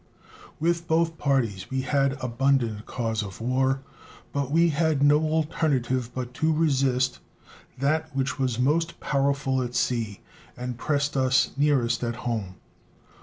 With both parties we had abundant cause of war, but we had no alternative but to resist that which was most powerful at sea and pressed us nearest at home.